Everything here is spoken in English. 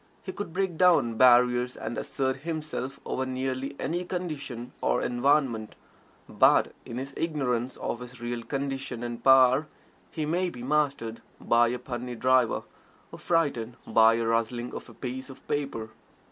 He could break down barriers and assert himself over nearly any condition or environment, but in his ignorance of his real condition and power he may be mastered by a puny driver, or frightened by the rustling of a piece of paper.